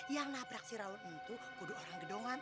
yang nabrak si rawondo itu kudu orang gedongan